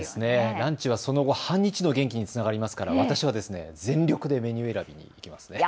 ランチはその後、半日の元気につながりますから私は全力でメニュー選びにいきますね。